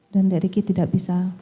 dan dari ricky tidak bisa